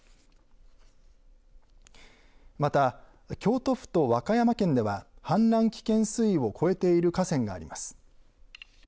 また京都府と和歌山県では氾濫危険水位を超えている河川があります。